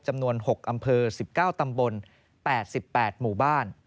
จำนวน๖อำเภอ๑๙ตำบล๘๘หมู่บ้าน